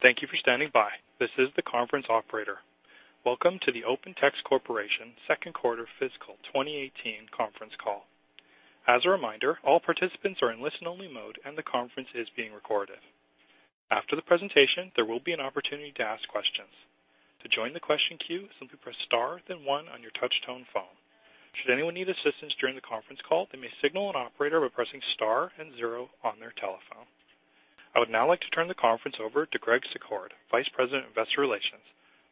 Thank you for standing by. This is the conference operator. Welcome to the OpenText Corporation second quarter fiscal 2018 conference call. As a reminder, all participants are in listen only mode and the conference is being recorded. After the presentation, there will be an opportunity to ask questions. To join the question queue, simply press star then one on your touch tone phone. Should anyone need assistance during the conference call, they may signal an operator by pressing star and zero on their telephone. I would now like to turn the conference over to Greg Secord, Vice President Investor Relations.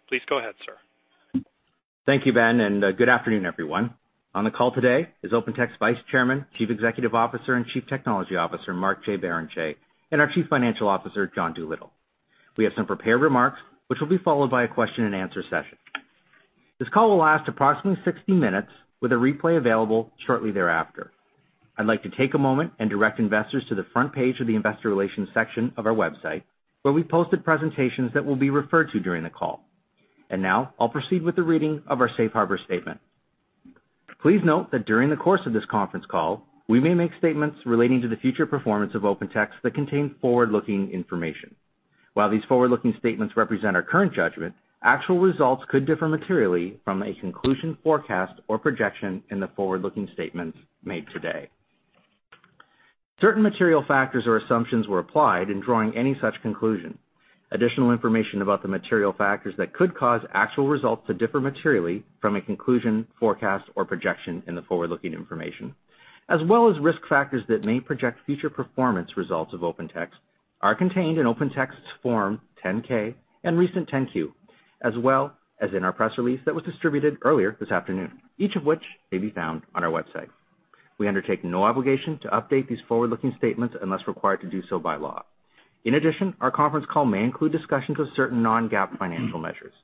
Please go ahead, sir. Thank you, Ben, and good afternoon, everyone. On the call today is OpenText Vice Chairman, Chief Executive Officer, and Chief Technology Officer, Mark J. Barrenechea, and our Chief Financial Officer, John Doolittle. We have some prepared remarks which will be followed by a question and answer session. This call will last approximately 60 minutes, with a replay available shortly thereafter. I'd like to take a moment and direct investors to the front page of the investor relations section of our website, where we posted presentations that will be referred to during the call. Now I'll proceed with the reading of our safe harbor statement. Please note that during the course of this conference call, we may make statements relating to the future performance of OpenText that contain forward-looking information. While these forward-looking statements represent our current judgment, actual results could differ materially from a conclusion, forecast, or projection in the forward-looking statements made today. Certain material factors or assumptions were applied in drawing any such conclusion. Additional information about the material factors that could cause actual results to differ materially from a conclusion, forecast, or projection in the forward-looking information, as well as risk factors that may project future performance results of OpenText, are contained in OpenText's Form 10-K and recent 10-Q, as well as in our press release that was distributed earlier this afternoon, each of which may be found on our website. We undertake no obligation to update these forward-looking statements unless required to do so by law. In addition, our conference call may include discussions of certain non-GAAP financial measures.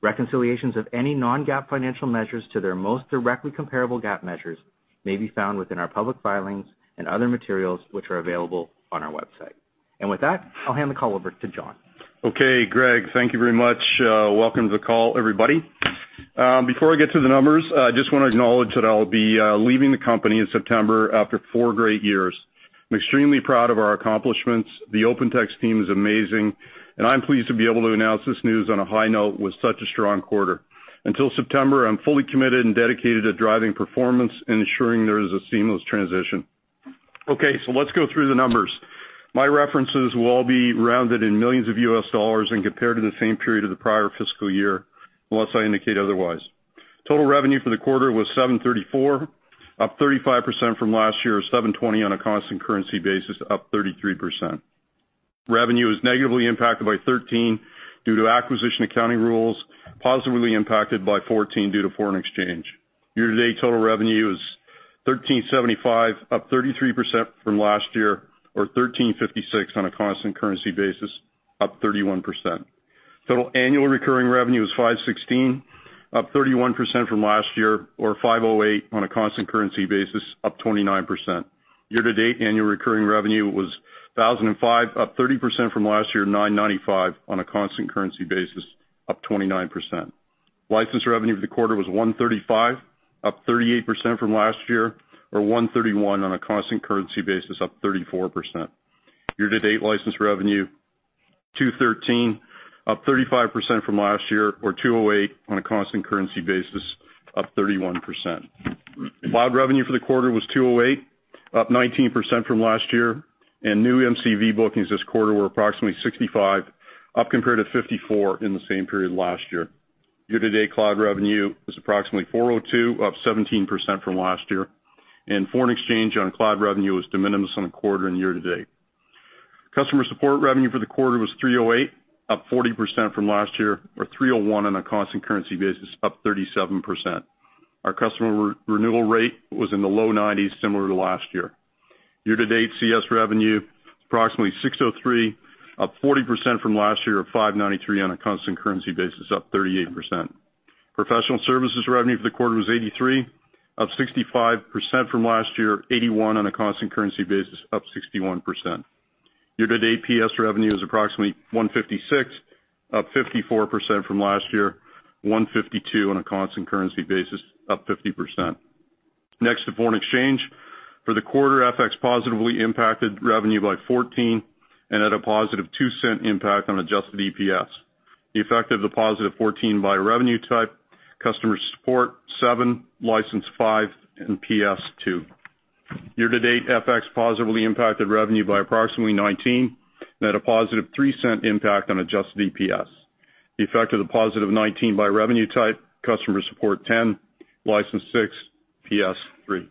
Reconciliations of any non-GAAP financial measures to their most directly comparable GAAP measures may be found within our public filings and other materials, which are available on our website. With that, I'll hand the call over to John. Okay, Greg. Thank you very much. Welcome to the call, everybody. Before I get to the numbers, I just want to acknowledge that I'll be leaving the company in September after four great years. I'm extremely proud of our accomplishments. The OpenText team is amazing, and I'm pleased to be able to announce this news on a high note with such a strong quarter. Until September, I'm fully committed and dedicated to driving performance and ensuring there is a seamless transition. Let's go through the numbers. My references will all be rounded in millions of U.S. dollars and compared to the same period of the prior fiscal year, unless I indicate otherwise. Total revenue for the quarter was $734 million, up 35% from last year of $720 million on a constant currency basis, up 33%. Revenue is negatively impacted by $13 million due to acquisition accounting rules, positively impacted by $14 million due to foreign exchange. Year-to-date total revenue is $1,375 million, up 33% from last year, or $1,356 million on a constant currency basis, up 31%. Total annual recurring revenue is $516 million, up 31% from last year, or $508 million on a constant currency basis, up 29%. Year-to-date annual recurring revenue was $1,005 million, up 30% from last year, $995 million on a constant currency basis, up 29%. License revenue for the quarter was $135 million, up 38% from last year, or $131 million on a constant currency basis, up 34%. Year-to-date license revenue $213 million, up 35% from last year, or $208 million on a constant currency basis, up 31%. Cloud revenue for the quarter was $208 million, up 19% from last year, and new MCV bookings this quarter were approximately $65 million, up compared to $54 million in the same period last year. Year-to-date cloud revenue is approximately $402 million, up 17% from last year, and foreign exchange on cloud revenue was de minimis on the quarter and year-to-date. Customer support revenue for the quarter was $308 million, up 40% from last year, or $301 million on a constant currency basis, up 37%. Our customer renewal rate was in the low 90s, similar to last year. Year-to-date, CS revenue approximately $603 million, up 40% from last year of $593 million on a constant currency basis, up 38%. Professional services revenue for the quarter was $83 million, up 65% from last year, $81 million on a constant currency basis, up 61%. Year-to-date PS revenue is approximately $156 million, up 54% from last year, $152 million on a constant currency basis, up 50%. Next, to foreign exchange. For the quarter, FX positively impacted revenue by $14 million and had a positive $0.02 impact on adjusted EPS. The effect of the positive $14 million by revenue type: customer support $7 million, license $5 million, and PS $2 million. Year-to-date, FX positively impacted revenue by approximately $19 million, net a positive $0.03 impact on adjusted EPS. The effect of the positive $19 million by revenue type: customer support $10 million, license $6 million, PS $3 million.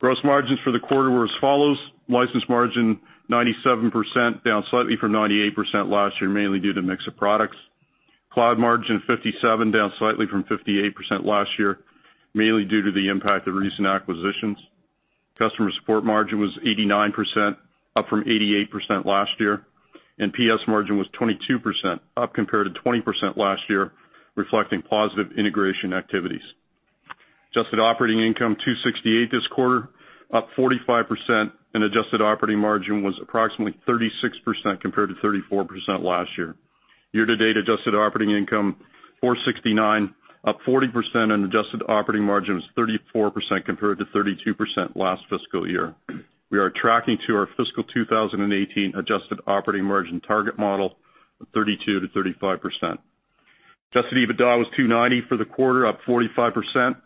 Gross margins for the quarter were as follows: license margin 97%, down slightly from 98% last year, mainly due to mix of products. Cloud margin 57%, down slightly from 58% last year, mainly due to the impact of recent acquisitions. Customer support margin was 89%, up from 88% last year, and PS margin was 22%, up compared to 20% last year, reflecting positive integration activities. Adjusted operating income $268 this quarter, up 45%. Adjusted operating margin was approximately 36% compared to 34% last year. Year-to-date adjusted operating income, $469, up 40%. Adjusted operating margin was 34% compared to 32% last fiscal year. We are tracking to our fiscal 2018 adjusted operating margin target model of 32%-35%. Adjusted EBITDA was $290 for the quarter, up 45%.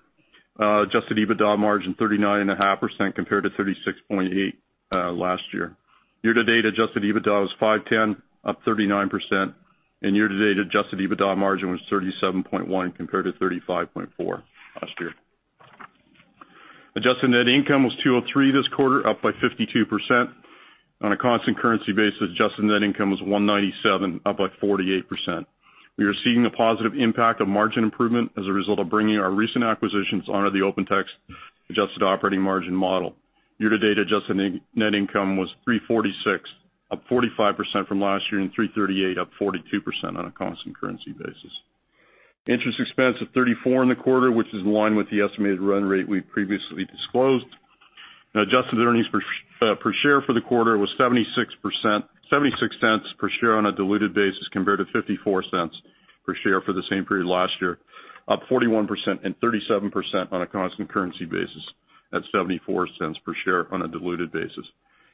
Adjusted EBITDA margin 39.5% compared to 36.8% last year. Year-to-date adjusted EBITDA was $510, up 39%. Year-to-date adjusted EBITDA margin was 37.1% compared to 35.4% last year. Adjusted net income was $203 this quarter, up by 52%. On a constant currency basis, adjusted net income was $197, up by 48%. We are seeing the positive impact of margin improvement as a result of bringing our recent acquisitions under the OpenText adjusted operating margin model. Year-to-date adjusted net income was $346, up 45% from last year. $338, up 42% on a constant currency basis. Interest expense of $34 in the quarter, which is in line with the estimated run rate we previously disclosed. Adjusted earnings per share for the quarter was $0.76 per share on a diluted basis, compared to $0.54 per share for the same period last year, up 41% and 37% on a constant currency basis at $0.74 per share on a diluted basis.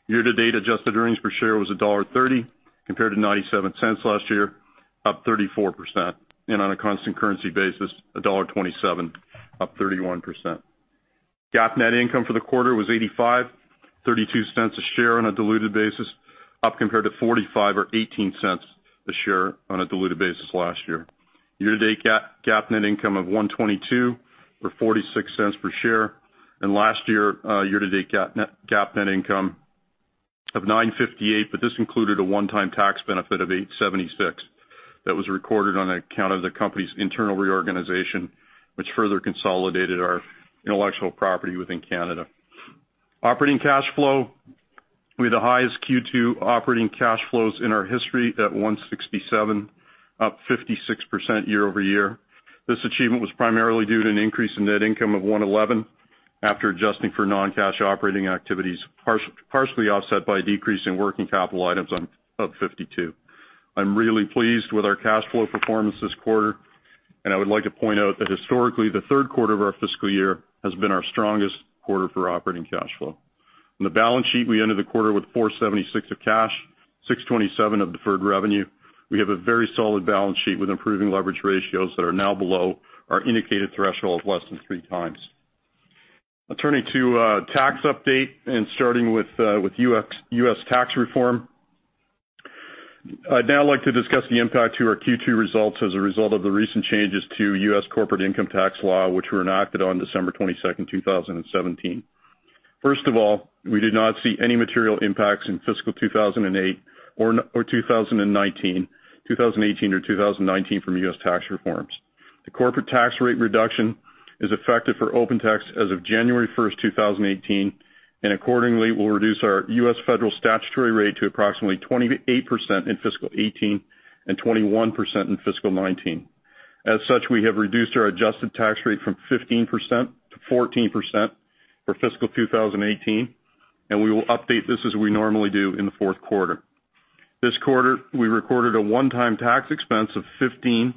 Year-to-date adjusted earnings per share was $1.30 compared to $0.97 last year, up 34%. On a constant currency basis, $1.27, up 31%. GAAP net income for the quarter was $85, $0.32 a share on a diluted basis, up compared to $45 or $0.18 a share on a diluted basis last year. Year-to-date GAAP net income of $1.22 or $0.46 per share. Last year-to-date GAAP net income of $9.58, but this included a one-time tax benefit of $8.76 that was recorded on account of the company's internal reorganization, which further consolidated our intellectual property within Canada. Operating cash flow. We had the highest Q2 operating cash flows in our history at $167, up 56% year-over-year. This achievement was primarily due to an increase in net income of $111 after adjusting for non-cash operating activities, partially offset by a decrease in working capital items of $52. I'm really pleased with our cash flow performance this quarter, and I would like to point out that historically, the third quarter of our fiscal year has been our strongest quarter for operating cash flow. On the balance sheet, we ended the quarter with $476 of cash, $627 of deferred revenue. We have a very solid balance sheet with improving leverage ratios that are now below our indicated threshold of less than three times. Turning to tax update, starting with U.S. tax reform. I'd now like to discuss the impact to our Q2 results as a result of the recent changes to U.S. corporate income tax law, which were enacted on December 22nd, 2017. First of all, we did not see any material impacts in fiscal 2018 or 2019 from U.S. tax reforms. The corporate tax rate reduction is effective for OpenText as of January 1, 2018, and accordingly will reduce our U.S. federal statutory rate to approximately 28% in fiscal 2018 and 21% in fiscal 2019. As such, we have reduced our adjusted tax rate from 15% to 14% for fiscal 2018, and we will update this as we normally do in the fourth quarter. This quarter, we recorded a one-time tax expense of $15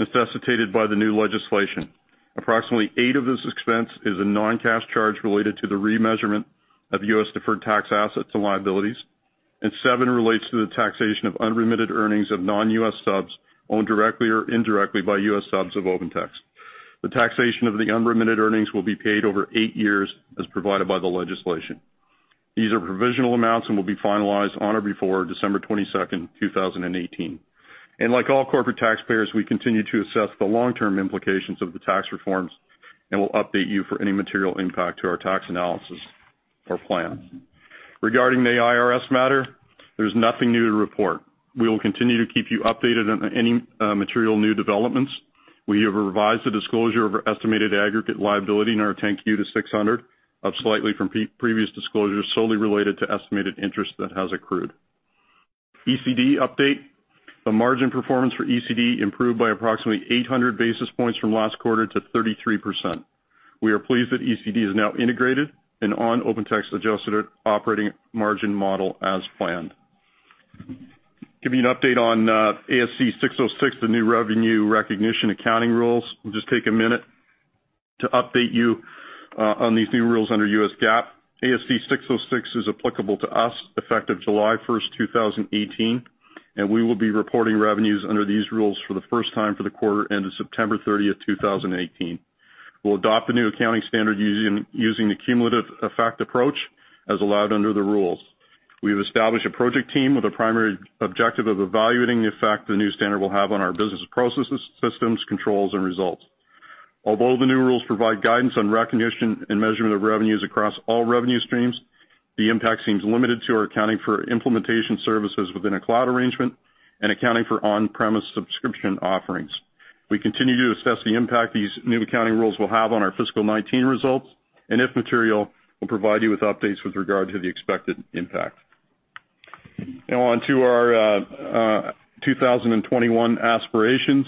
necessitated by the new legislation. Approximately $8 of this expense is a non-cash charge related to the remeasurement of U.S. deferred tax assets and liabilities, and $7 relates to the taxation of unremitted earnings of non-U.S. subs owned directly or indirectly by U.S. subs of OpenText. The taxation of the unremitted earnings will be paid over eight years as provided by the legislation. These are provisional amounts and will be finalized on or before December 22nd, 2018. Like all corporate taxpayers, we continue to assess the long-term implications of the tax reforms and will update you for any material impact to our tax analysis or plan. Regarding the IRS matter, there's nothing new to report. We will continue to keep you updated on any material new developments. We have revised the disclosure of our estimated aggregate liability in our 10-Q to $600, up slightly from previous disclosures solely related to estimated interest that has accrued. ECD update. The margin performance for ECD improved by approximately 800 basis points from last quarter to 33%. We are pleased that ECD is now integrated and on OpenText adjusted operating margin model as planned. Giving you an update on ASC 606, the new revenue recognition accounting rules. We'll just take a minute to update you on these new rules under U.S. GAAP. ASC 606 is applicable to us effective July 1st, 2018, and we will be reporting revenues under these rules for the first time for the quarter ending September 30th, 2018. We'll adopt the new accounting standard using the cumulative effect approach as allowed under the rules. We have established a project team with a primary objective of evaluating the effect the new standard will have on our business processes, systems, controls, and results. Although the new rules provide guidance on recognition and measurement of revenues across all revenue streams, the impact seems limited to our accounting for implementation services within a cloud arrangement and accounting for on-premise subscription offerings. We continue to assess the impact these new accounting rules will have on our fiscal 2019 results, and if material, we'll provide you with updates with regard to the expected impact. Now on to our 2021 aspirations.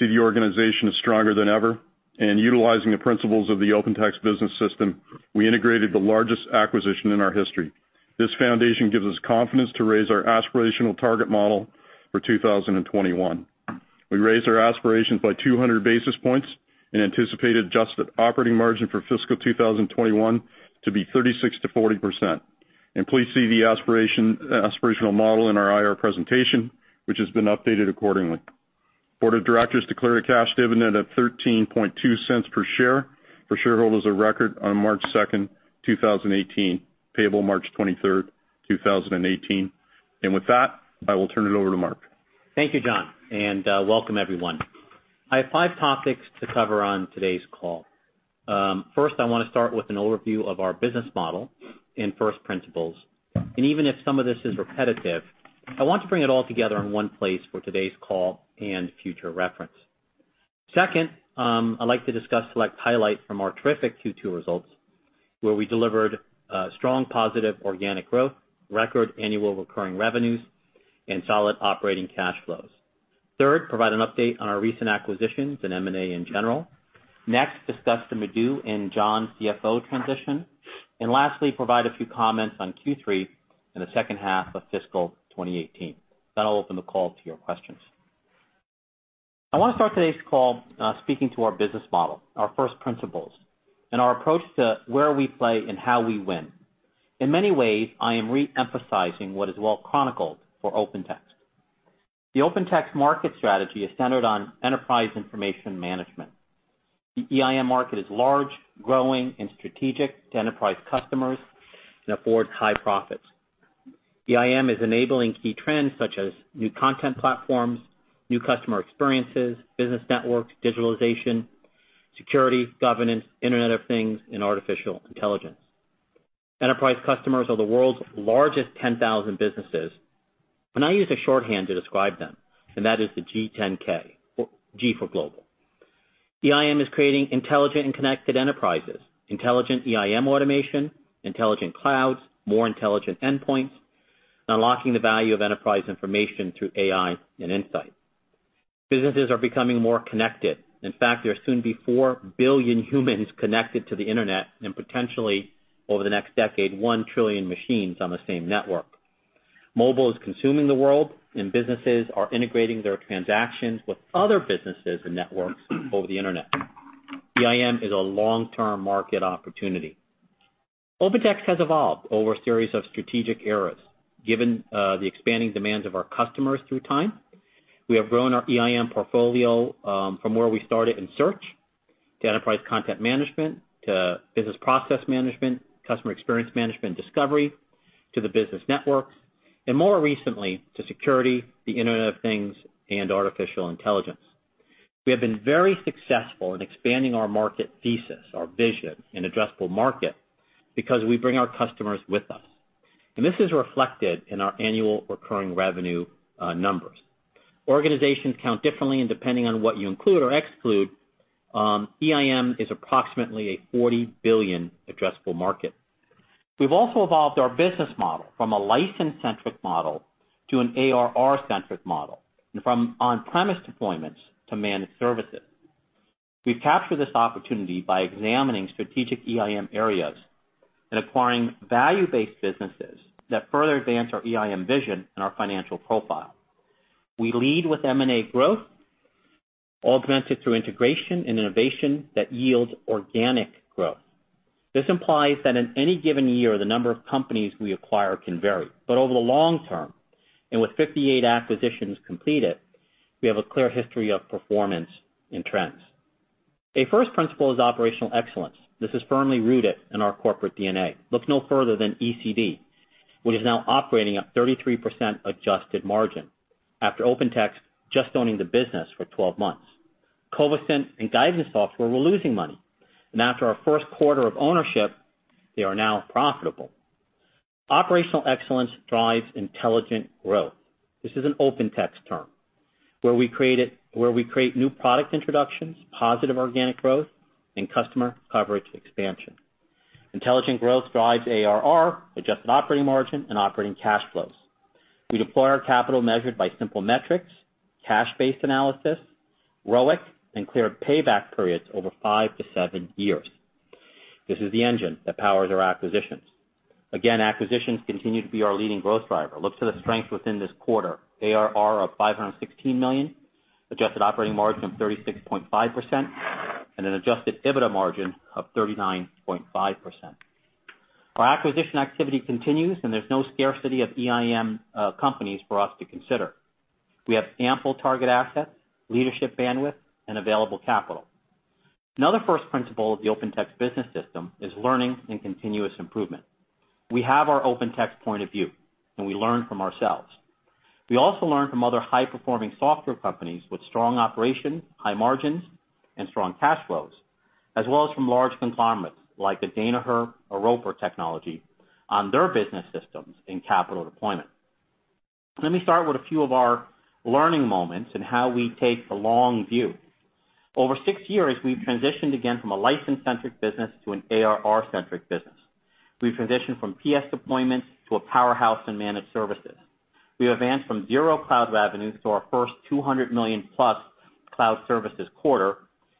The organization is stronger than ever, and utilizing the principles of the OpenText business system, we integrated the largest acquisition in our history. This foundation gives us confidence to raise our aspirational target model for 2021. We raised our aspirations by 200 basis points and anticipated adjusted operating margin for fiscal 2021 to be 36%-40%. Please see the aspirational model in our IR presentation, which has been updated accordingly. Board of Directors declare a cash dividend of $0.132 per share for shareholders of record on March 2nd, 2018, payable March 23rd, 2018. With that, I will turn it over to Mark. Thank you, John, welcome everyone. I have five topics to cover on today's call. First, I want to start with an overview of our business model and first principles. Even if some of this is repetitive, I want to bring it all together in one place for today's call and future reference. Second, I'd like to discuss select highlights from our terrific Q2 results, where we delivered strong positive organic growth, record annual recurring revenues, and solid operating cash flows. Third, provide an update on our recent acquisitions and M&A in general. Next, discuss the Madhu and John CFO transition. Lastly, provide a few comments on Q3 in the second half of fiscal 2018. I'll open the call to your questions. I want to start today's call speaking to our business model, our first principles, and our approach to where we play and how we win. In many ways, I am re-emphasizing what is well chronicled for OpenText. The OpenText market strategy is centered on enterprise information management. The EIM market is large, growing, and strategic to enterprise customers and affords high profits. EIM is enabling key trends such as new content platforms, new customer experiences, business networks, digitalization, security, governance, Internet of Things, and artificial intelligence. Enterprise customers are the world's largest 10,000 businesses. I use a shorthand to describe them, and that is the G10K. G for global. EIM is creating intelligent and connected enterprises. Intelligent EIM automation, intelligent clouds, more intelligent endpoints, unlocking the value of enterprise information through AI and insight. Businesses are becoming more connected. In fact, there'll soon be 4 billion humans connected to the internet and potentially, over the next decade, 1 trillion machines on the same network. Mobile is consuming the world, businesses are integrating their transactions with other businesses and networks over the internet. EIM is a long-term market opportunity. OpenText has evolved over a series of strategic eras, given the expanding demands of our customers through time. We have grown our EIM portfolio, from where we started in search to enterprise content management, to business process management, customer experience management and discovery, to the business networks. More recently, to security, the Internet of Things, and artificial intelligence. We have been very successful in expanding our market thesis, our vision, and addressable market because we bring our customers with us. This is reflected in our annual recurring revenue numbers. Organizations count differently, and depending on what you include or exclude, EIM is approximately a 40 billion addressable market. We've also evolved our business model from a license centric model to an ARR centric model. From on-premise deployments to managed services. We've captured this opportunity by examining strategic EIM areas and acquiring value-based businesses that further advance our EIM vision and our financial profile. We lead with M&A growth, augmented through integration and innovation that yields organic growth. This implies that in any given year, the number of companies we acquire can vary. Over the long term, with 58 acquisitions completed, we have a clear history of performance and trends. A first principle is operational excellence. This is firmly rooted in our corporate DNA. Look no further than ECD, which is now operating at 33% adjusted margin after OpenText just owning the business for 12 months. Covisint and Guidance Software were losing money. After our first quarter of ownership, they are now profitable. Operational excellence drives intelligent growth. This is an OpenText term, where we create new product introductions, positive organic growth, and customer coverage expansion. Intelligent growth drives ARR, adjusted operating margin, and operating cash flows. We deploy our capital measured by simple metrics, cash-based analysis, ROIC, and clear payback periods over five to seven years. This is the engine that powers our acquisitions. Acquisitions continue to be our leading growth driver. Look to the strength within this quarter. ARR of $516 million, adjusted operating margin of 36.5%, and an adjusted EBITDA margin of 39.5%. Our acquisition activity continues, and there's no scarcity of EIM companies for us to consider. We have ample target assets, leadership bandwidth, and available capital. Another first principle of the OpenText business system is learning and continuous improvement. We have our OpenText point of view, and we learn from ourselves. We also learn from other high-performing software companies with strong operation, high margins, and strong cash flows, as well as from large conglomerates like a Danaher, a Roper Technologies, on their business systems and capital deployment. Let me start with a few of our learning moments and how we take the long view, Over six years, we've transitioned again from a license-centric business to an ARR-centric business. We've transitioned from PS deployments to a powerhouse in managed services. We advanced from zero cloud revenues to our first $200 million plus cloud services quarter,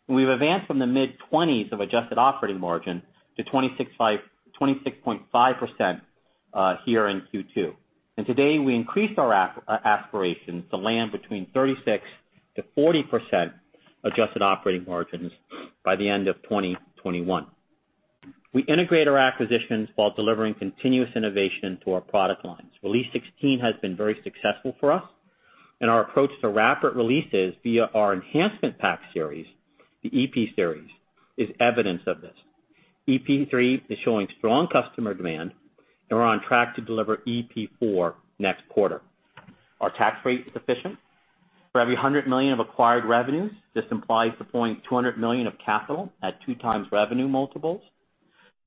and we've advanced from the mid-20s of adjusted operating margin to 36.5% here in Q2. Today we increased our aspirations to land between 36%-40% adjusted operating margins by the end of 2021. We integrate our acquisitions while delivering continuous innovation to our product lines. Release 16 has been very successful for us and our approach to rapid releases via our enhancement pack series, the EP series, is evidence of this. EP3 is showing strong customer demand and we're on track to deliver EP4 next quarter. Our tax rate is efficient. For every $100 million of acquired revenues, this implies deploying $200 million of capital at 2 times revenue multiples.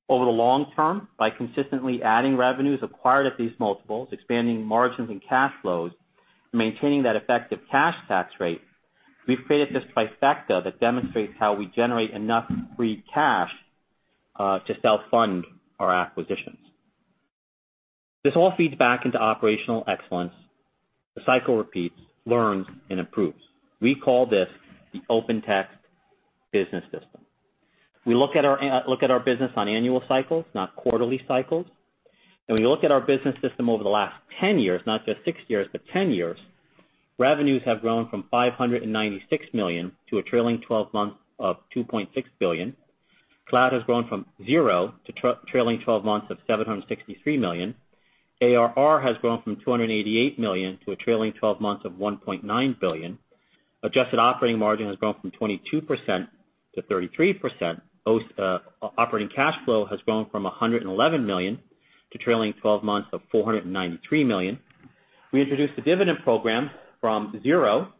Over the long term, by consistently adding revenues acquired at these multiples, expanding margins and cash flows, maintaining that effective cash tax rate, we've created this trifecta that demonstrates how we generate enough free cash to self-fund our acquisitions. This all feeds back into operational excellence. The cycle repeats, learns, and improves. We call this the OpenText business system. We look at our business on annual cycles, not quarterly cycles. When you look at our business system over the last 10 years, not just six years, but 10 years, revenues have grown from $596 million to a trailing 12 months of $2.6 billion. Cloud has grown from zero to trailing 12 months of $763 million. ARR has grown from $288 million to a trailing 12 months of $1.9 billion. Adjusted operating margin has grown from 22% to 33%. Operating cash flow has grown from $111 million to trailing 12 months of $493 million. We introduced a dividend program from zero,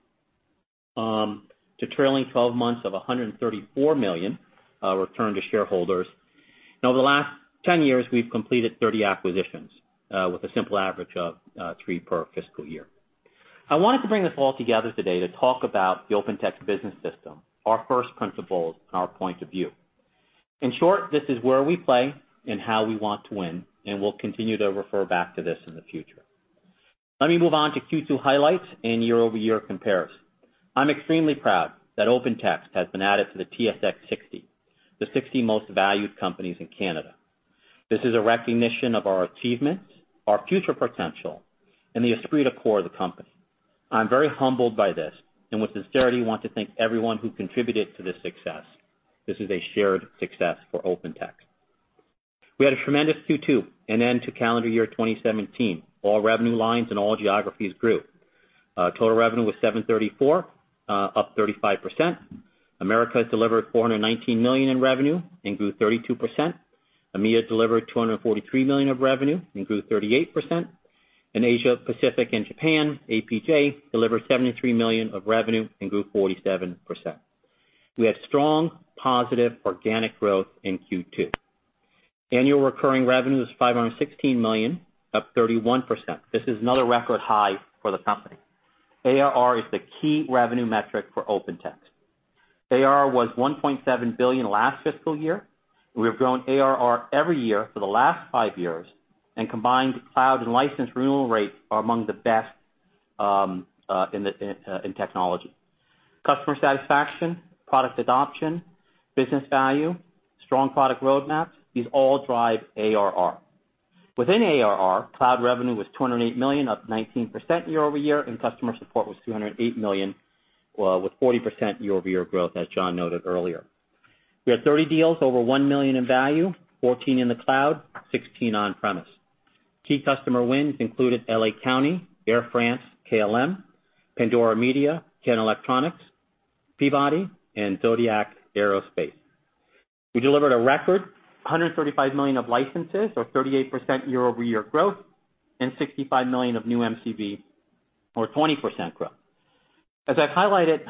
to trailing 12 months of $134 million, return to shareholders. Over the last 10 years, we've completed 30 acquisitions, with a simple average of three per fiscal year. I wanted to bring this all together today to talk about the OpenText business system, our first principles, and our point of view. In short, this is where we play and how we want to win. We'll continue to refer back to this in the future. Let me move on to Q2 highlights and year-over-year comparison. I'm extremely proud that OpenText has been added to the TSX 60, the 60 most valued companies in Canada. This is a recognition of our achievements, our future potential, and the esprit de corps of the company. I'm very humbled by this, and with sincerity, want to thank everyone who contributed to this success. This is a shared success for OpenText. We had a tremendous Q2 and end to calendar year 2017. All revenue lines and all geographies grew. Total revenue was $734 million, up 35%. Americas delivered $419 million in revenue and grew 32%. EMEA delivered $243 million of revenue and grew 38%. Asia Pacific and Japan, APJ, delivered $73 million of revenue and grew 47%. We had strong, positive organic growth in Q2. Annual recurring revenue was $516 million, up 31%. This is another record high for the company. ARR is the key revenue metric for OpenText. ARR was $1.7 billion last fiscal year. We have grown ARR every year for the last five years, and combined cloud and license renewal rates are among the best in technology. Customer satisfaction, product adoption, business value, strong product roadmaps, these all drive ARR. Within ARR, cloud revenue was $208 million, up 19% year-over-year, and customer support was $208 million, with 40% year-over-year growth, as John noted earlier. We had 30 deals over $1 million in value, 14 in the cloud, 16 on-premise. Key customer wins included LA County, Air France, KLM, Pandora Media, Canon Electronics, Peabody, and Zodiac Aerospace. We delivered a record $135 million of licenses or 38% year-over-year growth, and $65 million of new MCV or 20% growth. As I've highlighted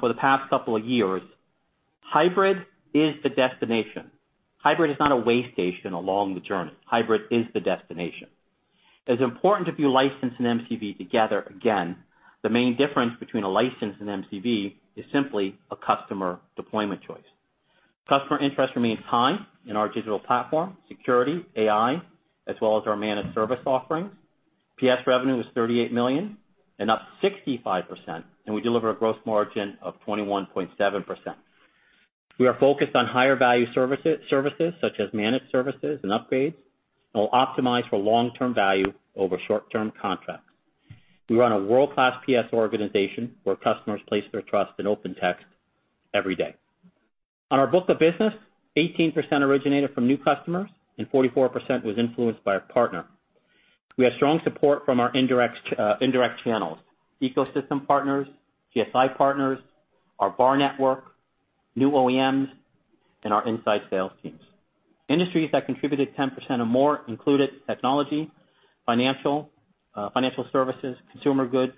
for the past couple of years, hybrid is the destination. Hybrid is not a way station along the journey. Hybrid is the destination. It's important to view license and MCV together. Again, the main difference between a license and MCV is simply a customer deployment choice. Customer interest remains high in our digital platform, security, AI, as well as our managed service offerings. PS revenue was $38 million and up 65%, and we deliver a growth margin of 21.7%. We are focused on higher value services such as managed services and upgrades. We'll optimize for long-term value over short-term contracts. We run a world-class PS organization where customers place their trust in OpenText every day. On our book of business, 18% originated from new customers and 44% was influenced by a partner. We have strong support from our indirect channels, ecosystem partners, GSI partners, our VAR network, new OEMs, and our inside sales teams. Industries that contributed 10% or more included technology, financial services, consumer goods,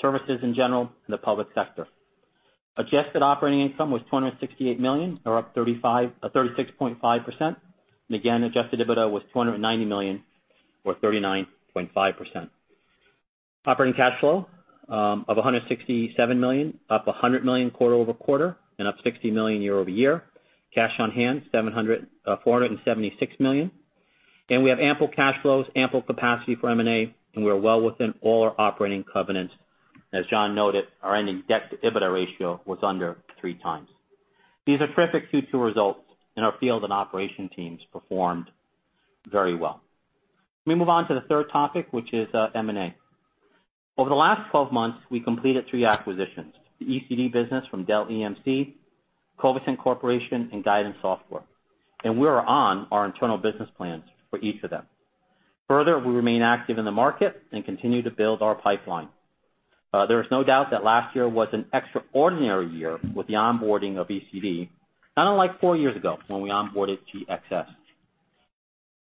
services in general, and the public sector. Adjusted operating income was $268 million or up 36.5%. Again, adjusted EBITDA was $290 million or 39.5%. Operating cash flow of $167 million, up $100 million quarter-over-quarter, and up $60 million year-over-year. Cash on hand, $476 million. We have ample cash flows, ample capacity for M&A, and we are well within all our operating covenants. As John noted, our ending debt-to-EBITDA ratio was under 3 times. These are terrific Q2 results, and our field and operation teams performed very well. Let me move on to the third topic, which is M&A. Over the last 12 months, we completed 3 acquisitions: the ECD business from Dell EMC, Covisint Corporation, and Guidance Software. We are on our internal business plans for each of them. Further, we remain active in the market and continue to build our pipeline. There is no doubt that last year was an extraordinary year with the onboarding of ECD. Kind of like four years ago, when we onboarded GXS.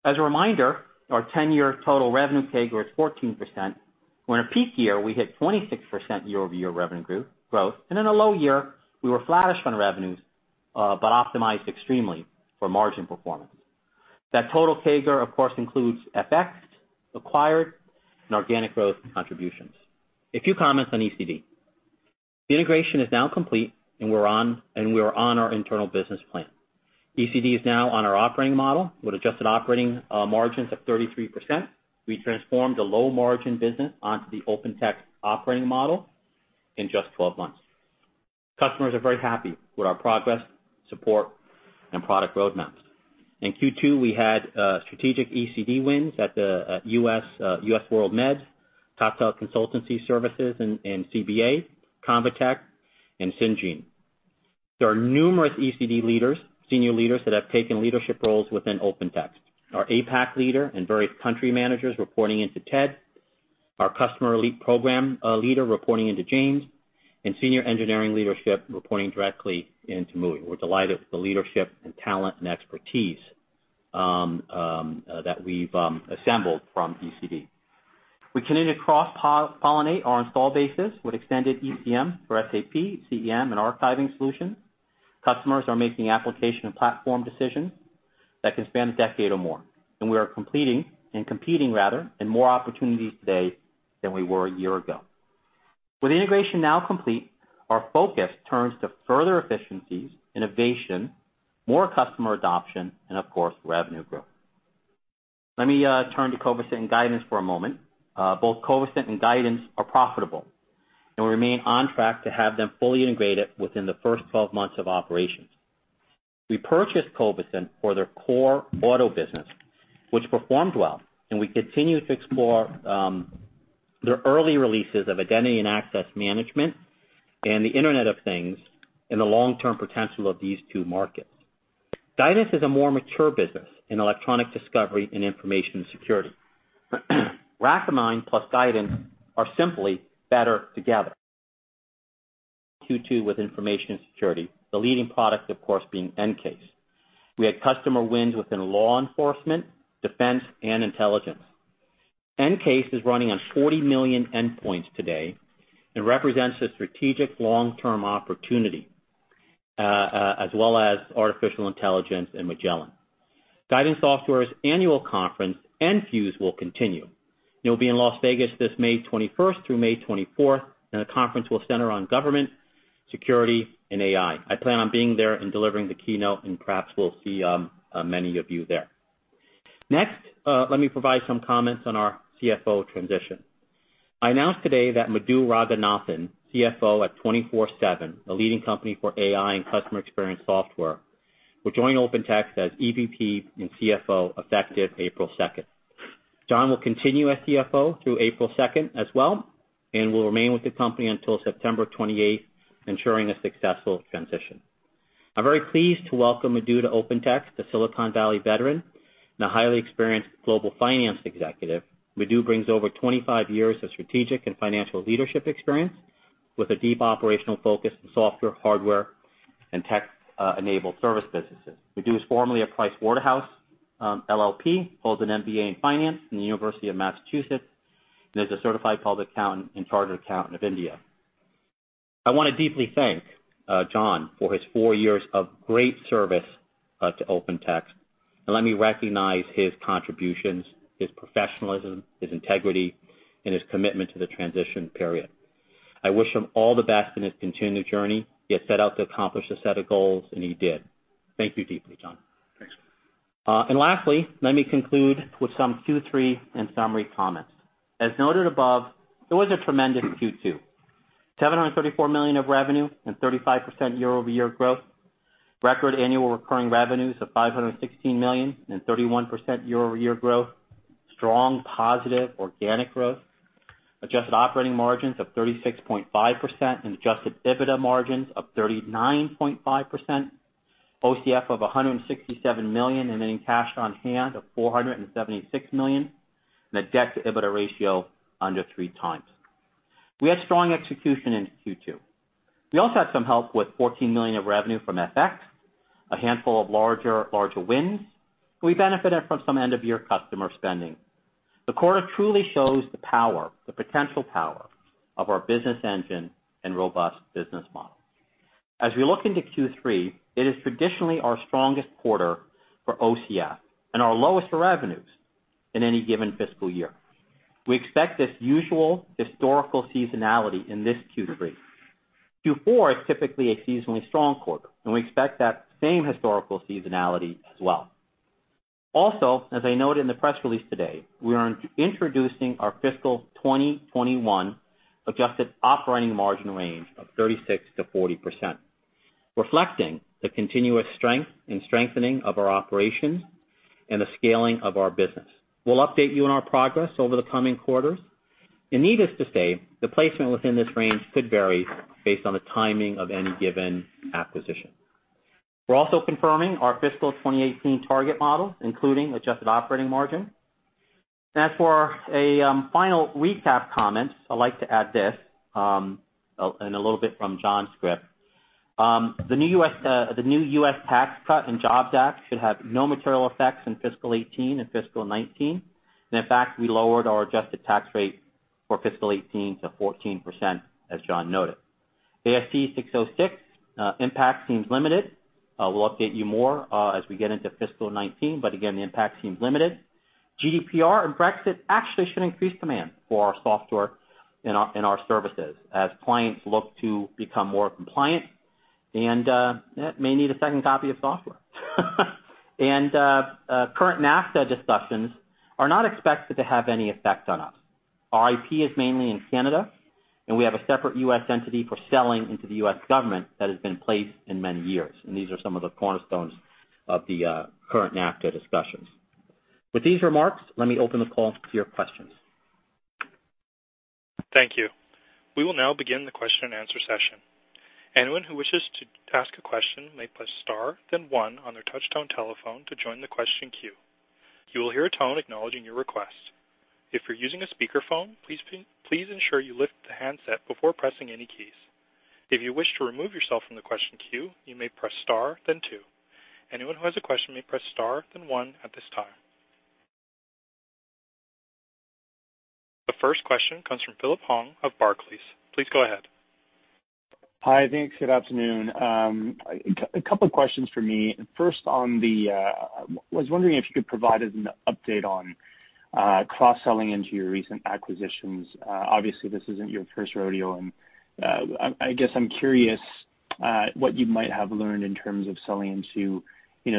As a reminder, our 10-year total revenue CAGR is 14%, when our peak year, we hit 26% year-over-year revenue growth, and in a low year, we were flattish on revenues, but optimized extremely for margin performance. That total CAGR, of course, includes FX, acquired, and organic growth contributions. A few comments on ECD. The integration is now complete, and we are on our internal business plan. ECD is now on our operating model with adjusted operating margins of 33%. We transformed a low-margin business onto the OpenText operating model in just 12 months. Customers are very happy with our progress, support, and product roadmaps. In Q2, we had strategic ECD wins at US WorldMeds, TopTel Consultancy Services, CBA, Convatec, and Syngene. There are numerous ECD leaders, senior leaders, that have taken leadership roles within OpenText. Our APAC leader and various country managers reporting into Ted, our customer elite program leader reporting into James, and senior engineering leadership reporting directly into Muhi. We're delighted with the leadership, talent, and expertise that we've assembled from ECD. We continue to cross-pollinate our install bases with extended ECM for SAP, CEM, and archiving solutions. Customers are making application and platform decisions that can span a decade or more, and we are competing in more opportunities today than we were a year ago. Let me turn to Covisint and Guidance for a moment. Both Covisint and Guidance are profitable and remain on track to have them fully integrated within the first 12 months of operations. We purchased Covisint for their core auto business, which performed well, and we continue to explore their early releases of identity and access management and the Internet of Things and the long-term potential of these two markets. Guidance is a more mature business in electronic discovery and information security. Recommind plus Guidance are simply better together. Q2 with information security, the leading product, of course, being EnCase. We had customer wins within law enforcement, defense, and intelligence. EnCase is running on 40 million endpoints today and represents a strategic long-term opportunity, as well as artificial intelligence and Magellan. Guidance Software's annual conference, Enfuse, will continue. It'll be in Las Vegas this May 21st through May 24th, and the conference will center on government, security, and AI. I plan on being there and delivering the keynote, and perhaps we'll see many of you there. Next, let me provide some comments on our CFO transition. I announced today that Madhu Ranganathan, CFO at [24]7.ai, a leading company for AI and customer experience software, will join OpenText as EVP and CFO effective April 2nd. John will continue as CFO through April 2nd as well and will remain with the company until September 28th, ensuring a successful transition. I'm very pleased to welcome Madhu to OpenText, the Silicon Valley veteran and a highly experienced global finance executive. Madhu brings over 25 years of strategic and financial leadership experience with a deep operational focus in software, hardware, and tech-enabled service businesses. Madhu is formerly at PricewaterhouseCoopers LLP, holds an MBA in finance from the University of Massachusetts, and is a certified public accountant and chartered accountant of India. I want to deeply thank John for his four years of great service to OpenText, let me recognize his contributions, his professionalism, his integrity, and his commitment to the transition period. I wish him all the best in his continued journey. He had set out to accomplish a set of goals, he did. Thank you deeply, John. Thanks. Lastly, let me conclude with some Q3 and summary comments. As noted above, it was a tremendous Q2. $734 million of revenue and 35% year-over-year growth. Record annual recurring revenues of $516 million and 31% year-over-year growth. Strong, positive organic growth. Adjusted operating margins of 36.5% and adjusted EBITDA margins of 39.5%. OCF of $167 million, ending cash on hand of $476 million, and a debt-to-EBITDA ratio under 3 times. We had strong execution into Q2. We also had some help with $14 million of revenue from FX, a handful of larger wins, and we benefited from some end-of-year customer spending. The quarter truly shows the potential power of our business engine and robust business model. As we look into Q3, it is traditionally our strongest quarter for OCF and our lowest for revenues in any given fiscal year. We expect this usual historical seasonality in this Q3. Q4 is typically a seasonally strong quarter, we expect that same historical seasonality as well. Also, as I noted in the press release today, we are introducing our FY 2021 adjusted operating margin range of 36%-40%, reflecting the continuous strength and strengthening of our operations and the scaling of our business. We'll update you on our progress over the coming quarters. Needless to say, the placement within this range could vary based on the timing of any given acquisition. We're also confirming our FY 2018 target model, including adjusted operating margin. As for a final recap comment, I'd like to add this, a little bit from John's script. The new U.S. Tax Cuts and Jobs Act should have no material effects in FY 2018 and FY 2019. In fact, we lowered our adjusted tax rate for FY 2018 to 14%, as John noted. ASC 606 impact seems limited. We'll update you more as we get into FY 2019, but again, the impact seems limited. GDPR and Brexit actually should increase demand for our software and our services as clients look to become more compliant and may need a second copy of software. Current NAFTA discussions are not expected to have any effect on us. Our IP is mainly in Canada, we have a separate U.S. entity for selling into the U.S. government that has been in place in many years, and these are some of the cornerstones of the current NAFTA discussions. With these remarks, let me open the call to your questions. Thank you. We will now begin the question and answer session. Anyone who wishes to ask a question may press star, then one on their touchtone telephone to join the question queue. You will hear a tone acknowledging your request. If you're using a speakerphone, please ensure you lift the handset before pressing any keys. If you wish to remove yourself from the question queue, you may press star, then two. Anyone who has a question may press star, then one at this time. The first question comes from Phillip Huang of Barclays. Please go ahead. Hi, thanks. Good afternoon. A couple questions for me. First, I was wondering if you could provide us an update on cross-selling into your recent acquisitions. Obviously, this isn't your first rodeo, and I guess I'm curious what you might have learned in terms of selling into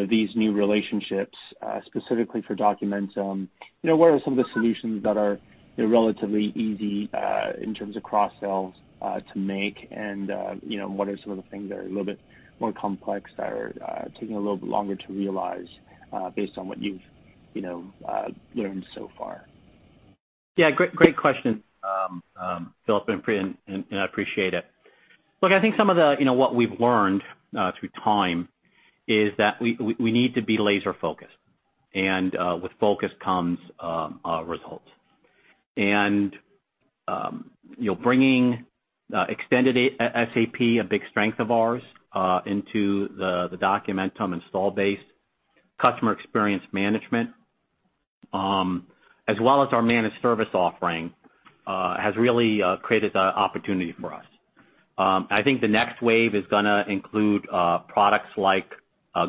these new relationships, specifically for Documentum. What are some of the solutions that are relatively easy in terms of cross-sells to make, and what are some of the things that are a little bit more complex that are taking a little bit longer to realize based on what you've learned so far? Yeah, great question, Phillip, I appreciate it. Look, I think some of what we've learned through time is that we need to be laser-focused, and with focus comes results. Bringing extended SAP, a big strength of ours, into the Documentum install base customer experience management, as well as our managed service offering, has really created the opportunity for us. I think the next wave is going to include products like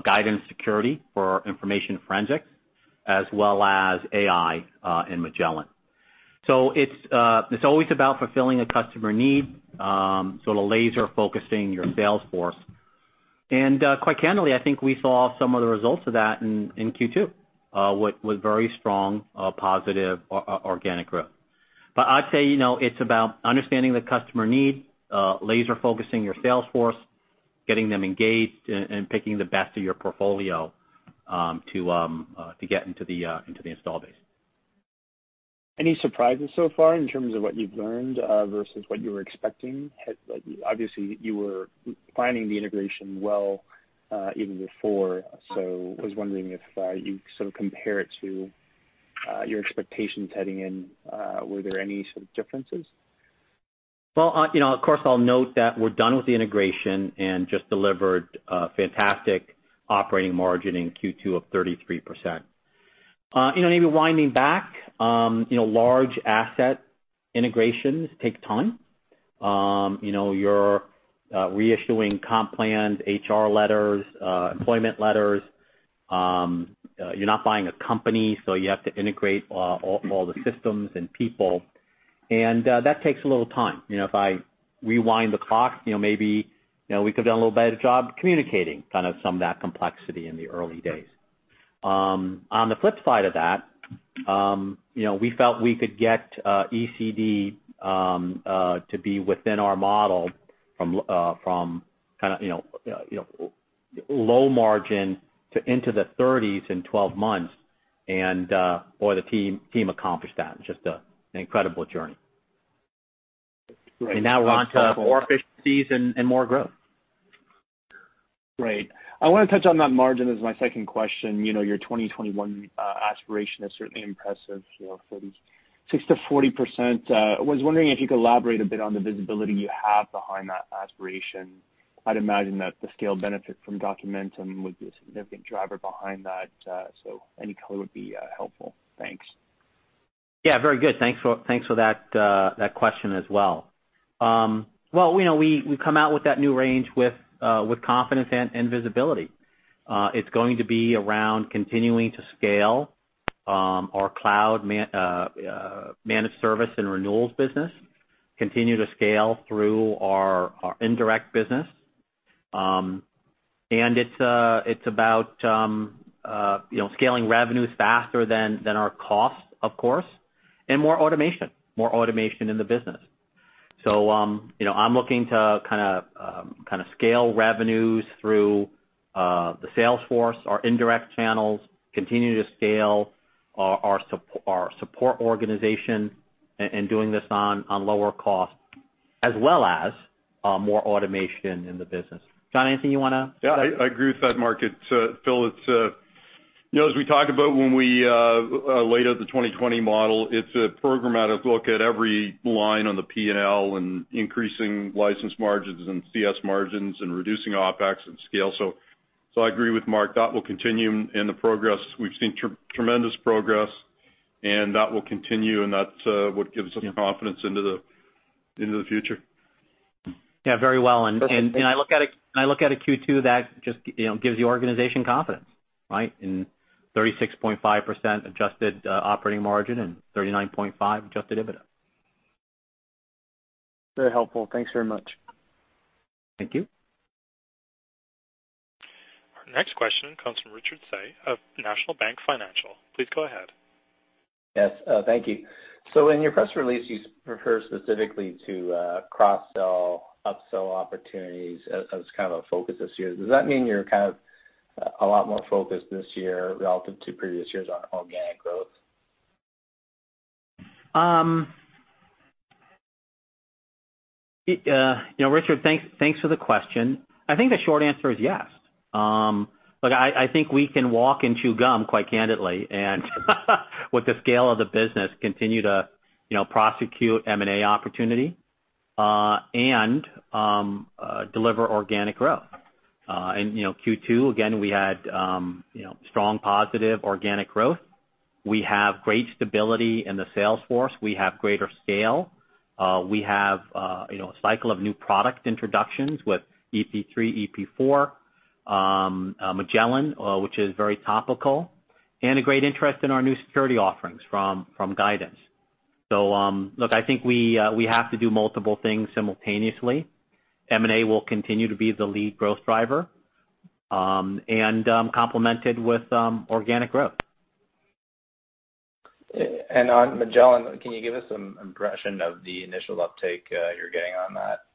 Guidance Security for information forensics as well as AI and Magellan. It's always about fulfilling a customer need, so the laser-focusing your sales force. Quite candidly, I think we saw some of the results of that in Q2, with very strong, positive organic growth. I'd say it's about understanding the customer need, laser-focusing your sales force, getting them engaged, and picking the best of your portfolio to get into the install base. Any surprises so far in terms of what you've learned versus what you were expecting? Obviously, you were planning the integration well even before, I was wondering if you compare it to your expectations heading in, were there any sort of differences? Well, of course, I'll note that we're done with the integration and just delivered a fantastic operating margin in Q2 of 33%. Maybe winding back, large asset integrations take time. You're reissuing comp plans, HR letters, employment letters. You're not buying a company, you have to integrate all the systems and people, and that takes a little time. If I rewind the clock, maybe we could've done a little better job communicating kind of some of that complexity in the early days. On the flip side of that, we felt we could get ECD to be within our model from low margin to into the 30s in 12 months, boy, the team accomplished that. It's just an incredible journey. Great. Now we're on to more efficiencies and more growth. Great. I want to touch on that margin as my second question. Your 2021 aspiration is certainly impressive, 36%-40%. I was wondering if you could elaborate a bit on the visibility you have behind that aspiration. I'd imagine that the scale benefit from Documentum would be a significant driver behind that, any color would be helpful. Thanks. Yeah, very good. Thanks for that question as well. Well, we come out with that new range with confidence and visibility. It's going to be around continuing to scale our cloud-managed service and renewals business, continue to scale through our indirect business. It's about scaling revenues faster than our costs, of course, and more automation in the business. I'm looking to scale revenues through the sales force, our indirect channels, continue to scale our support organization and doing this on lower cost, as well as more automation in the business. John, anything you want to- I agree with that, Mark. Phil, as we talked about when we laid out the 2020 model, it's a programmatic look at every line on the P&L and increasing license margins and CS margins and reducing OpEx and scale. I agree with Mark. That will continue in the progress. We've seen tremendous progress, and that will continue, and that's what gives us confidence into the future. Very well. I look at a Q2 that just gives the organization confidence, right? In 36.5% adjusted operating margin and 39.5% adjusted EBITDA. Very helpful. Thanks very much. Thank you. Our next question comes from Richard Tse of National Bank Financial. Please go ahead. Yes, thank you. In your press release, you refer specifically to cross-sell, up-sell opportunities as kind of a focus this year. Does that mean you're a lot more focused this year relative to previous years on organic growth? Richard, thanks for the question. I think the short answer is yes. Look, I think we can walk and chew gum, quite candidly, and with the scale of the business, continue to prosecute M&A opportunity and deliver organic growth. In Q2, again, we had strong positive organic growth. We have great stability in the sales force. We have greater scale. We have a cycle of new product introductions with EP3, EP4, Magellan, which is very topical, and a great interest in our new security offerings from Guidance. Look, I think we have to do multiple things simultaneously. M&A will continue to be the lead growth driver, and complemented with organic growth. On Magellan, can you give us some impression of the initial uptake you're getting on that?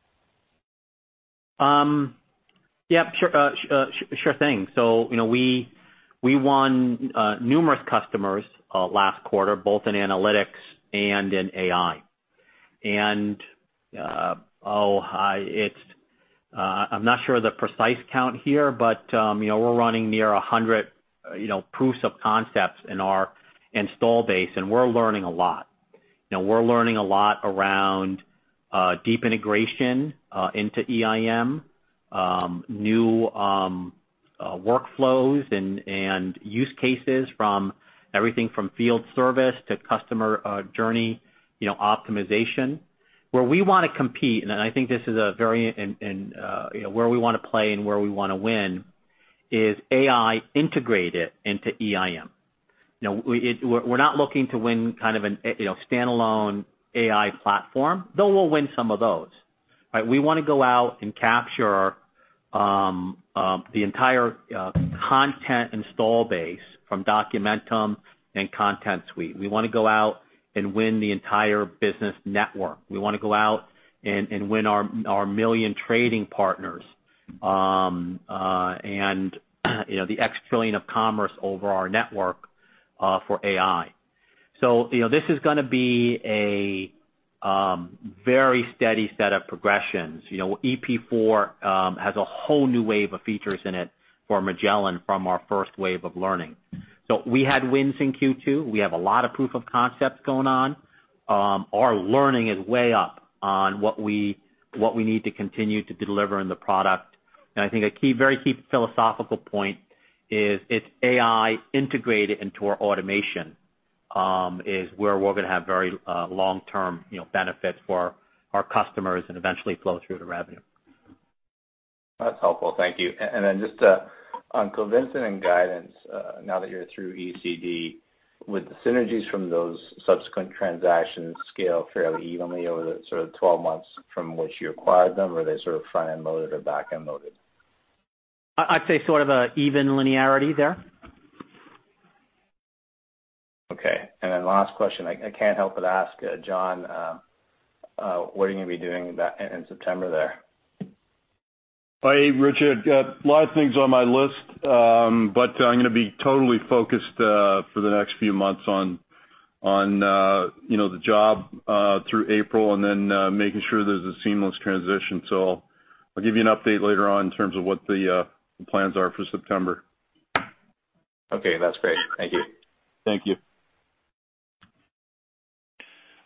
Yeah, sure thing. We won numerous customers last quarter, both in analytics and in AI. I'm not sure of the precise count here, but we're running near 100 proofs of concepts in our install base, and we're learning a lot. We're learning a lot around deep integration into EIM, new workflows, and use cases from everything from field service to customer journey optimization. Where we want to compete, and I think this is where we want to play and where we want to win, is AI integrated into EIM. We're not looking to win kind of a standalone AI platform, though we'll win some of those. We want to go out and capture the entire content install base from Documentum and Content Suite. We want to go out and win the entire business network. We want to go out and win our million trading partners, and the x trillion of commerce over our network for AI. This is going to be a very steady set of progressions. EP4 has a whole new wave of features in it for Magellan from our first wave of learning. We had wins in Q2. We have a lot of proof of concepts going on. Our learning is way up on what we need to continue to deliver in the product. I think a very key philosophical point is AI integrated into our automation is where we're going to have very long-term benefits for our customers and eventually flow through to revenue. That's helpful. Thank you. Then just on Covisint and Guidance, now that you're through ECD, would the synergies from those subsequent transactions scale fairly evenly over the sort of 12 months from which you acquired them, or are they sort of front-end loaded or back-end loaded? I'd say sort of an even linearity there. Okay. Last question. I can't help but ask, John, what are you going to be doing in September there? Hey, Richard. A lot of things on my list, I'm going to be totally focused for the next few months on the job through April, making sure there's a seamless transition. I'll give you an update later on in terms of what the plans are for September. Okay. That's great. Thank you. Thank you.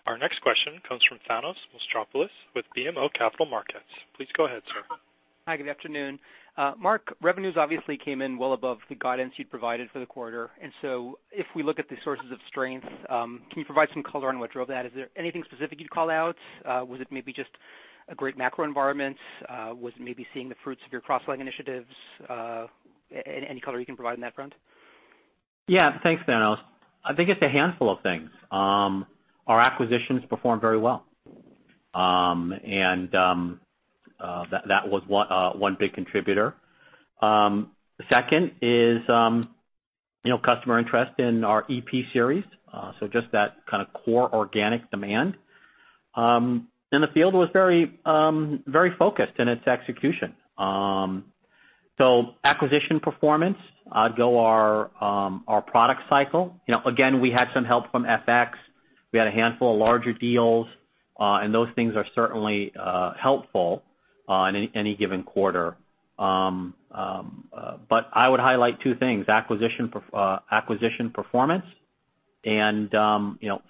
Our next question comes from Thanos Moschopoulos with BMO Capital Markets. Please go ahead, sir. Hi, good afternoon. Mark, revenues obviously came in well above the guidance you'd provided for the quarter. If we look at the sources of strength, can you provide some color on what drove that? Is there anything specific you'd call out? Was it maybe just a great macro environment? Was it maybe seeing the fruits of your cross-sell initiatives? Any color you can provide on that front? Yeah. Thanks, Thanos. I think it's a handful of things. Our acquisitions performed very well. That was one big contributor. Second is customer interest in our EP series, so just that kind of core organic demand. The field was very focused in its execution. Acquisition performance, I'd go our product cycle. Again, we had some help from FX. We had a handful of larger deals, and those things are certainly helpful in any given quarter. I would highlight two things, acquisition performance and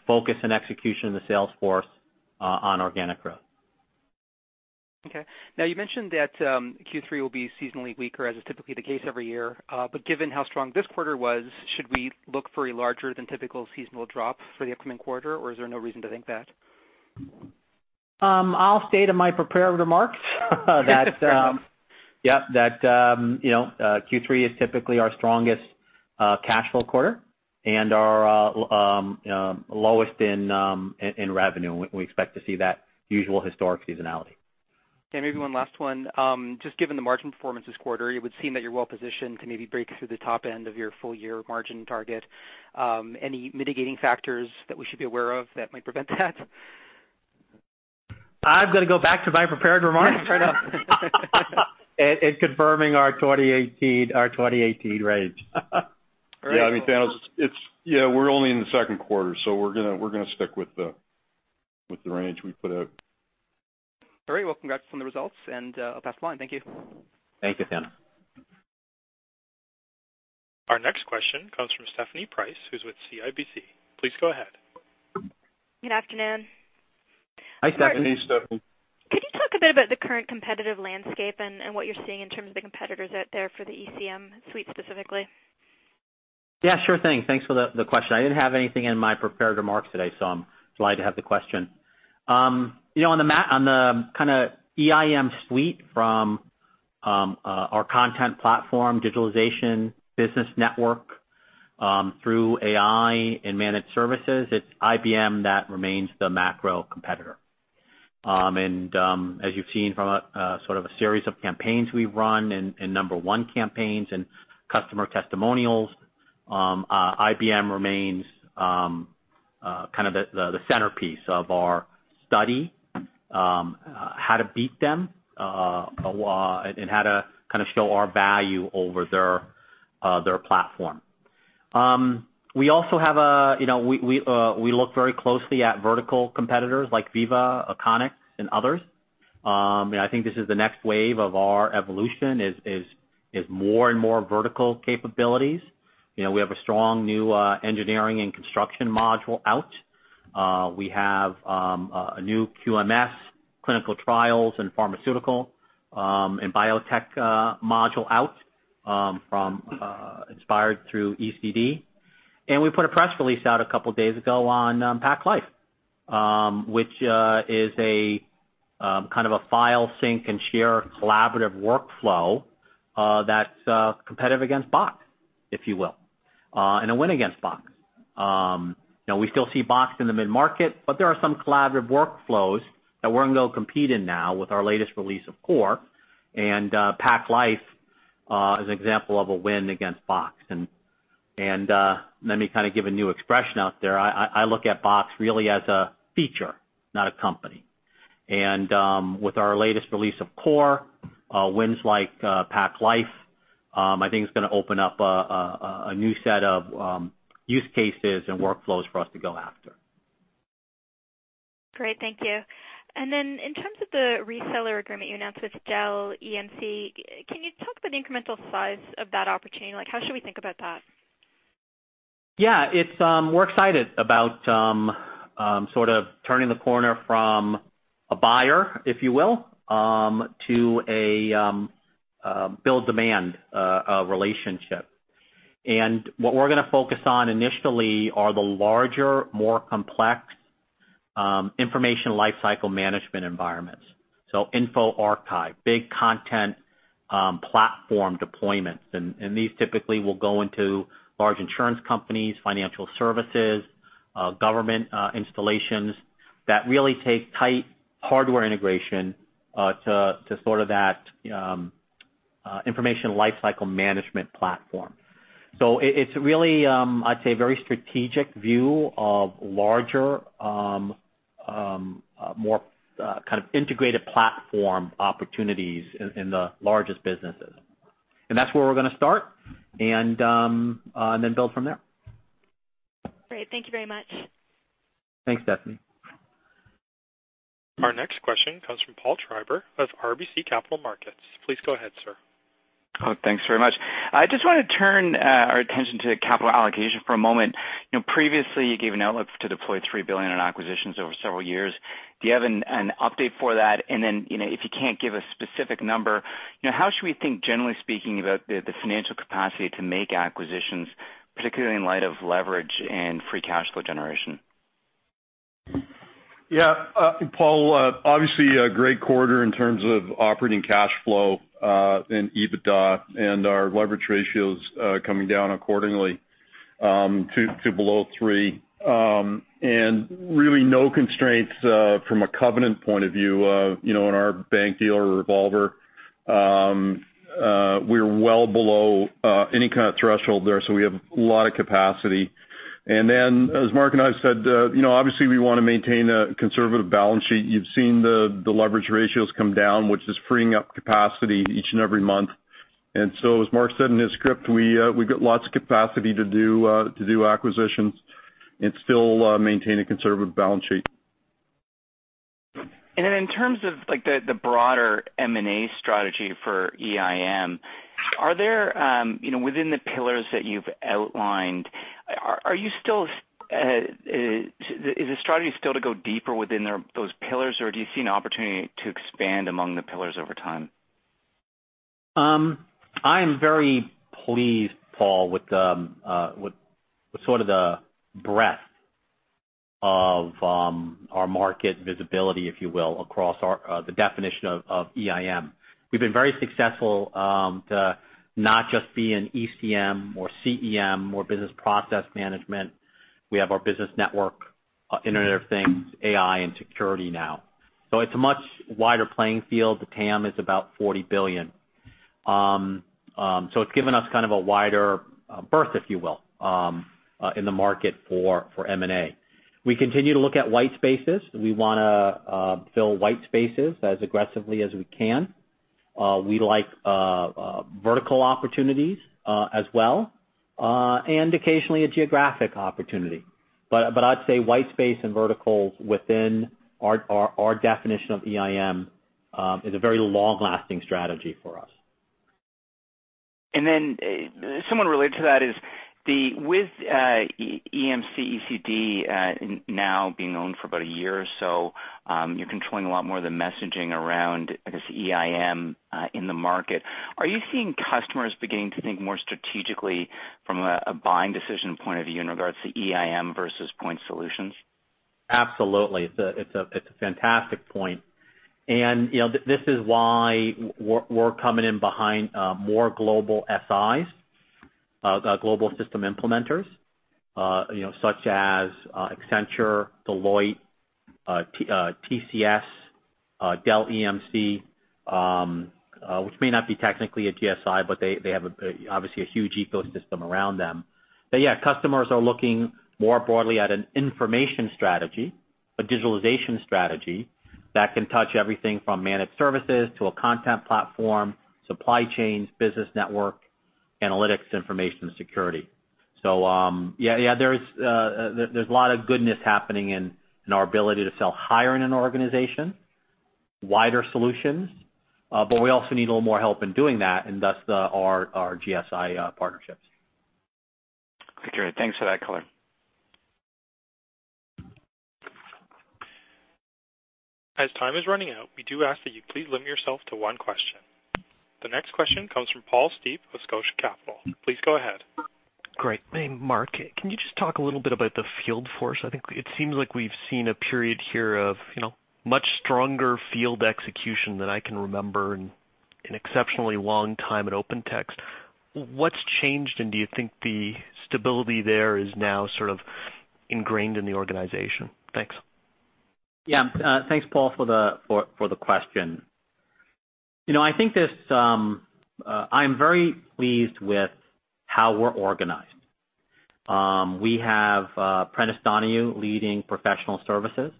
focus and execution of the sales force on organic growth. Okay. Now, you mentioned that Q3 will be seasonally weaker, as is typically the case every year. Given how strong this quarter was, should we look for a larger than typical seasonal drop for the upcoming quarter, or is there no reason to think that? I'll stay to my prepared remarks. Fair enough. Yep. Q3 is typically our strongest cash flow quarter and our lowest in revenue. We expect to see that usual historic seasonality. Okay, maybe one last one. Just given the margin performance this quarter, it would seem that you're well positioned to maybe break through the top end of your full-year margin target. Any mitigating factors that we should be aware of that might prevent that? I'm gonna go back to my prepared remarks right now. Confirming our 2018 range. All right. Yeah, Thanos, we're only in the second quarter, so we're gonna stick with the range we put out. All right, well, congrats on the results, I'll pass the line. Thank you. Thank you, Thanos. Our next question comes from Stephanie Price, who is with CIBC. Please go ahead. Good afternoon. Hi, Stephanie. Could you talk a bit about the current competitive landscape and what you're seeing in terms of the competitors out there for the ECM suite specifically? Yeah, sure thing. Thanks for the question. I didn't have anything in my prepared remarks today, so I'm glad to have the question. On the EIM suite from our content platform, digitalization business network, through AI and managed services, it's IBM that remains the macro competitor. As you've seen from a series of campaigns we've run and number one campaigns and customer testimonials, IBM remains the centerpiece of our study, how to beat them, and how to show our value over their platform. We look very closely at vertical competitors like Veeva, Oconics, and others. I think this is the next wave of our evolution is more and more vertical capabilities. We have a strong new engineering and construction module out. We have a new QMS clinical trials in pharmaceutical and biotech module out inspired through ECD. We put a press release out a couple of days ago on Pacific Life, which is a kind of a file sync and share collaborative workflow that's competitive against Box, if you will, and a win against Box. We still see Box in the mid-market, but there are some collaborative workflows that we're going to go compete in now with our latest release of Core and Pacific Life as an example of a win against Box. Let me give a new expression out there. I look at Box really as a feature, not a company. With our latest release of Core, wins like Pacific Life, I think it's going to open up a new set of use cases and workflows for us to go after. Great. Thank you. In terms of the reseller agreement you announced with Dell EMC, can you talk about the incremental size of that opportunity? How should we think about that? Yeah. We're excited about sort of turning the corner from a buyer, if you will, to a build demand relationship. What we're going to focus on initially are the larger, more complex information lifecycle management environments. InfoArchive, big content platform deployments. These typically will go into large insurance companies, financial services, government installations that really take tight hardware integration to that information lifecycle management platform. It's really, I'd say, very strategic view of larger, more kind of integrated platform opportunities in the largest businesses. That's where we're going to start, and then build from there. Great. Thank you very much. Thanks, Stephanie. Our next question comes from Paul Treiber of RBC Capital Markets. Please go ahead, sir. Thanks very much. I just want to turn our attention to capital allocation for a moment. Previously, you gave an outlook to deploy $3 billion in acquisitions over several years. Do you have an update for that? If you can't give a specific number, how should we think, generally speaking, about the financial capacity to make acquisitions, particularly in light of leverage and free cash flow generation? Yeah, Paul, obviously, a great quarter in terms of operating cash flow in EBITDA and our leverage ratios coming down accordingly to below 3. Really no constraints from a covenant point of view in our bank deal or revolver. We are well below any kind of threshold there, so we have a lot of capacity. As Mark and I have said, obviously we want to maintain a conservative balance sheet. You've seen the leverage ratios come down, which is freeing up capacity each and every month. As Mark said in his script, we've got lots of capacity to do acquisitions and still maintain a conservative balance sheet. In terms of the broader M&A strategy for EIM, within the pillars that you've outlined, is the strategy still to go deeper within those pillars, or do you see an opportunity to expand among the pillars over time? I am very pleased, Paul, with sort of the breadth of our market visibility, if you will, across the definition of EIM. We've been very successful to not just be an ECM or CEM or business process management. We have our business network, Internet of Things, AI, and security now. It's a much wider playing field. The TAM is about $40 billion. It's given us kind of a wider berth, if you will, in the market for M&A. We continue to look at white spaces. We want to fill white spaces as aggressively as we can. We like vertical opportunities as well, and occasionally a geographic opportunity. I'd say white space and verticals within our definition of EIM is a very long-lasting strategy for us. Somewhat related to that is with EMC, ECD now being owned for about a year or so, you're controlling a lot more of the messaging around, I guess, EIM in the market. Are you seeing customers beginning to think more strategically from a buying decision point of view in regards to EIM versus point solutions? Absolutely. It's a fantastic point. This is why we're coming in behind more global SIs, global system implementers such as Accenture, Deloitte, TCS, Dell EMC, which may not be technically a GSI, but they have obviously a huge ecosystem around them. Yeah, customers are looking more broadly at an information strategy, a digitalization strategy that can touch everything from managed services to a content platform, supply chains, business network, analytics, information security. Yeah, there's a lot of goodness happening in our ability to sell higher in an organization, wider solutions. We also need a little more help in doing that, and thus our GSI partnerships. Okay. Thanks for that color. As time is running out, we do ask that you please limit yourself to one question. The next question comes from Paul Steep with Scotia Capital. Please go ahead. Great. Mark, can you just talk a little bit about the field force? I think it seems like we've seen a period here of much stronger field execution than I can remember in an exceptionally long time at OpenText. What's changed. Do you think the stability there is now sort of ingrained in the organization? Thanks. Yeah. Thanks, Paul, for the question. I am very pleased with how we're organized. We have Prentiss Donohue leading professional services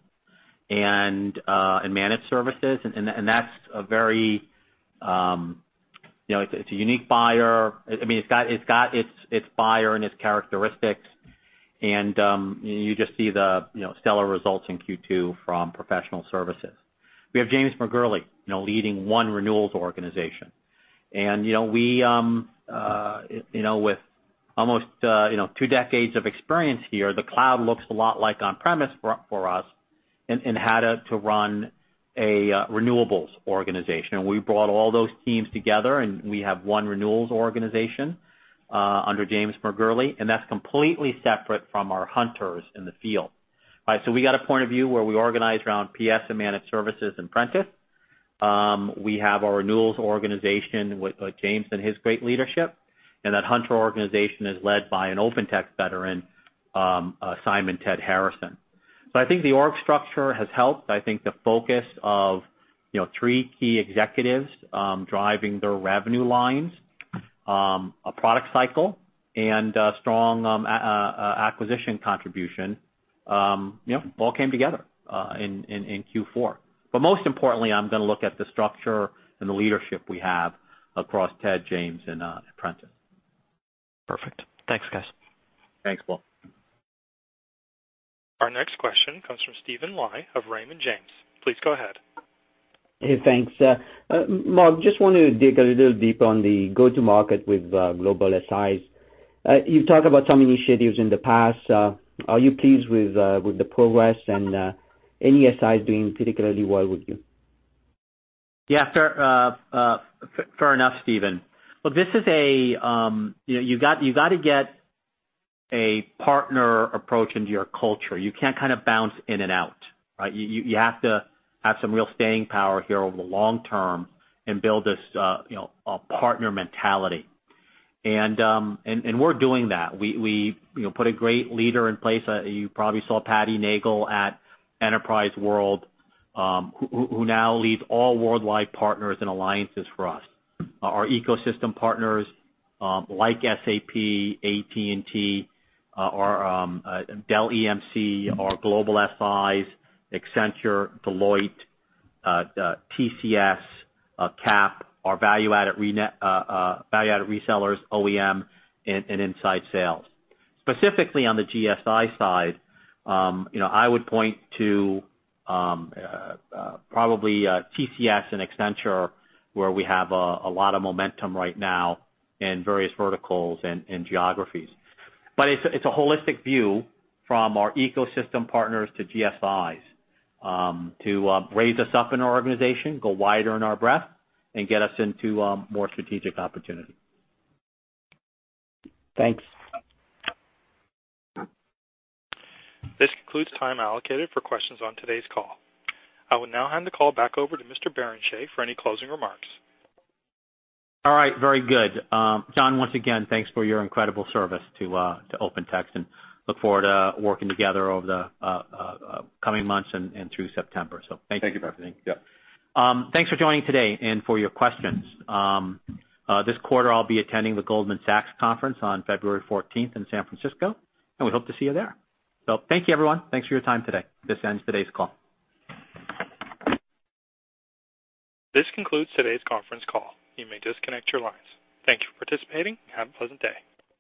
and managed services. That's a very unique buyer. I mean, it's got its buyer and its characteristics. You just see the stellar results in Q2 from professional services. We have James McGourlay leading one renewals organization. With almost two decades of experience here, the cloud looks a lot like on-premise for us in how to run a renewables organization. We brought all those teams together. We have one renewals organization under James McGourlay. That's completely separate from our hunters in the field. We got a point of view where we organize around PS and managed services and Prentiss. We have our renewals organization with James and his great leadership. That hunter organization is led by an OpenText veteran, Simon Ted Harrison. I think the org structure has helped. I think the focus of three key executives driving their revenue lines, a product cycle, and strong acquisition contribution all came together in Q4. Most importantly, I'm going to look at the structure and the leadership we have across Ted, James, and Prentiss. Perfect. Thanks, guys. Thanks, Paul. Our next question comes from Steven Li of Raymond James. Please go ahead. Hey, thanks. Mark, just wanted to dig a little deeper on the go-to-market with global SIs. You've talked about some initiatives in the past. Are you pleased with the progress, and any SIs doing particularly well with you? Yeah. Fair enough, Steven. You've got to get a partner approach into your culture. You can't kind of bounce in and out, right? You have to have some real staying power here over the long term and build this partner mentality. We're doing that. We put a great leader in place. You probably saw Patty Nagle at Enterprise World, who now leads all worldwide partners and alliances for us. Our ecosystem partners, like SAP, AT&T, our Dell EMC, our global SIs, Accenture, Deloitte, TCS, Capgemini, our value-added resellers, OEM, and inside sales. Specifically on the GSI side, I would point to probably TCS and Accenture, where we have a lot of momentum right now in various verticals and geographies. It's a holistic view from our ecosystem partners to GSIs, to raise us up in our organization, go wider in our breadth, and get us into more strategic opportunities. Thanks. This concludes time allocated for questions on today's call. I will now hand the call back over to Mr. Barrenechea for any closing remarks. All right. Very good. John, once again, thanks for your incredible service to OpenText, and look forward to working together over the coming months and through September. Thank you. Thank you for everything. Yep. Thanks for joining today and for your questions. This quarter, I'll be attending the Goldman Sachs conference on February 14th in San Francisco, and we hope to see you there. Thank you, everyone. Thanks for your time today. This ends today's call. This concludes today's conference call. You may disconnect your lines. Thank you for participating, and have a pleasant day.